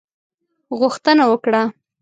غوښتنه وکړه.